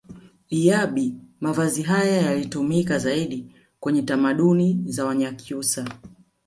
Iyabi mavazi haya yalitumika zaidi kwenye tamaduni za wanyakyusa